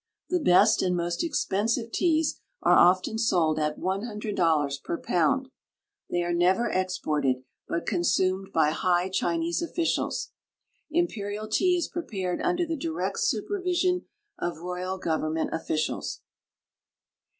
The best and most expensive teas are often sold at one hundred dollars per pound. They are never exported, but consumed by high Chinese officials. Imperial tea is prepared under the direct supervision of royal government officials.